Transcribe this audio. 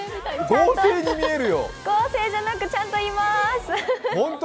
合成じゃなくちゃんといまーす！